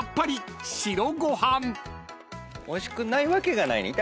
おいしくないわけがないねん。